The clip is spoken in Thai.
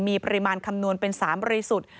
มีปริมาณคำนวณเป็น๓บริสุทธิ์